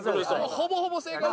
ほぼほぼ正解です。